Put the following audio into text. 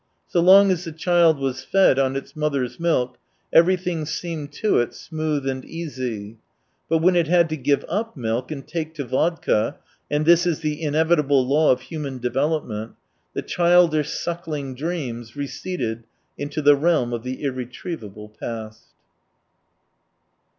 So long as the child was fed on its mother's milk, everything seemed to it smooth and easy. But when it had to give up milk and take to vodka, — and this is the inevitable law of human development— the childish suckling dreams receded into the realm of the irretrievable past.